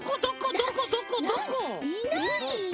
いないよ。